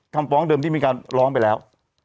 คำฟ้องเดิมที่มีการร้องไปแล้ว